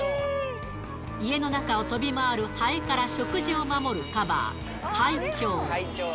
家の中を飛び回るハエから食事を守るカバー、蝿帳。